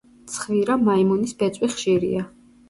ცხვირა მაიმუნის ბეწვი ხშირია.